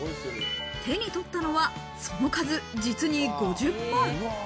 手に取ったのは、その数、実に５０本。